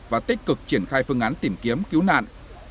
và tích cực triển khai phương án tìm kiếm cứu nạn